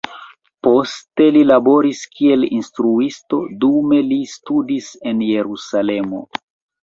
Poste li laboris kiel instruisto, dume li studis en Jerusalemo.